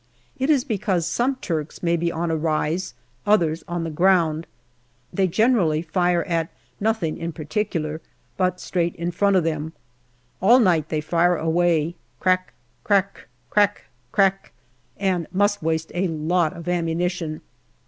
It is because some Turks may be on a rise, others on the ground. They generally fire at nothing in particular, but straight in front of them. All night they fire away crack, crack, crack, crack and must waste a lot of ammunition.